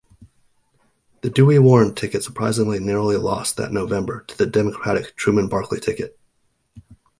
The Dewey-Warren ticket surprisingly narrowly lost that November, to the Democratic Truman-Barkley ticket.